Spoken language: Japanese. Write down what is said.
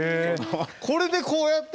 これでこうやって。